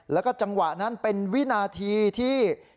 แล้วก็จังหวะนั้นเป็นวินาทีที่